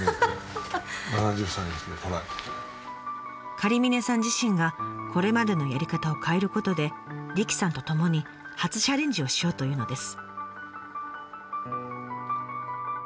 狩峰さん自身がこれまでのやり方を変えることで理妃さんとともに初チャレンジをしようというのです。